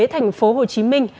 thành phố hồ chí minh